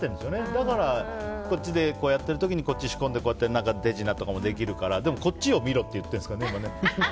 だからこっちでやってる時に仕込んで手品とかもできるからでも、こっちを見ろって言ってるんですからね。